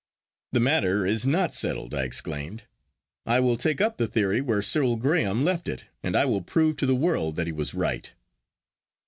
'The matter is not settled!' I exclaimed. 'I will take up the theory where Cyril Graham left it, and I will prove to the world that he was right.